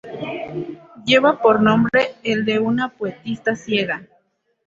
Lleva por nombre el de una poetisa ciega.